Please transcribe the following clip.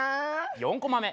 ４コマ目。